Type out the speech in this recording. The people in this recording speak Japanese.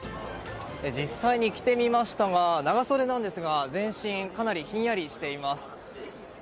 実際に着てみましたが長袖なんですが全身、かなりひんやりしています。